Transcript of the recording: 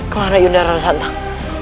kemana yunda rarosantang